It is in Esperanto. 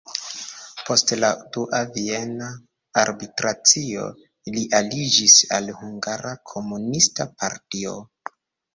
Post la Dua Viena Arbitracio li aliĝis al hungara komunista partio.